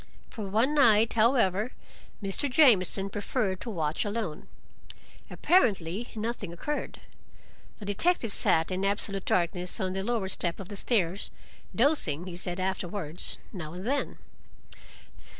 For one night, however, Mr. Jamieson preferred to watch alone. Apparently nothing occurred. The detective sat in absolute darkness on the lower step of the stairs, dozing, he said afterwards, now and then.